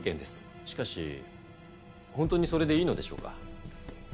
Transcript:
しかし本当にそれでいいのでしょうか？